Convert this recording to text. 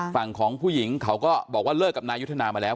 ฝั่งของผู้หญิงเขาก็บอกว่าเลิกกับนายุทธนามาแล้ว